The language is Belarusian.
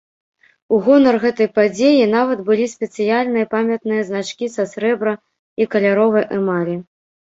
У гонар гэтай падзеі нават былі спецыяльныя памятныя значкі са срэбра і каляровай эмалі.